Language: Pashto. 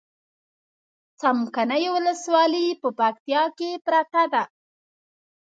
څمکنيو ولسوالي په پکتيا کې پرته ده